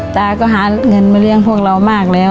ตาก็หาเงินมาเลี้ยงพวกเรามากแล้ว